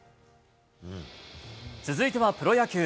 続いてはプロ野球。